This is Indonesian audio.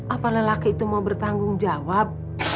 apalah laki itu mau bertanggung jawab